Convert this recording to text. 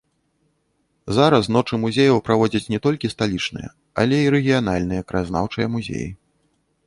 Зараз ночы музеяў праводзяць не толькі сталічныя, але і рэгіянальныя краязнаўчыя музеі.